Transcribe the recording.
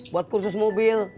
buat kursus mobil